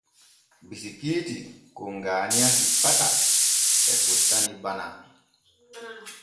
Bisikiiti kon Gaaniya simpata e fottani Bana.